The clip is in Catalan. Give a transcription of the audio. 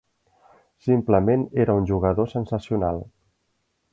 Simplement era un jugador sensacional.